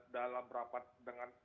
dalam berhapat dengan